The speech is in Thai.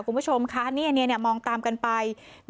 คุณผู้ชมคะอันนี้มองตามกันไป